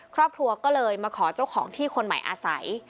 ครอบครัวก็เลยมาขอเจ้าของที่คนใหม่อาศัย